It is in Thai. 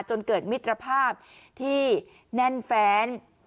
จนเกิดมิตรภาพที่แน่นแฟน